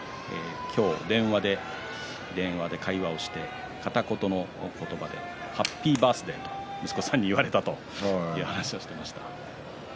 今日電話で会話をして片言の言葉でハッピーバースデーと息子さんに言われたという話でした。